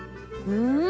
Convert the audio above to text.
うん！